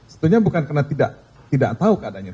sebenarnya bukan karena tidak tahu keadanya